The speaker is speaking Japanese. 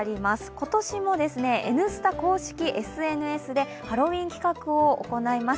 今年も「Ｎスタ」公式ＳＮＳでハロウィン企画を行います。